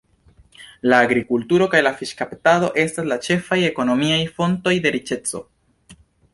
La agrikulturo kaj la fiŝkaptado estas la ĉefaj ekonomiaj fontoj de riĉeco.